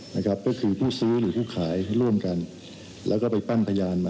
นั้นก็คือผู้ซื้อผู้ขายร่วมกัน